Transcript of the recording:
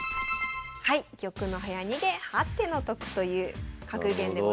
はい「玉の早逃げ八手の得」という格言でございます。